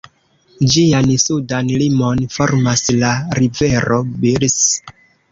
Ĝian sudan limon formas la rivero Birs.